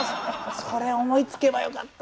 それ思いつけばよかった！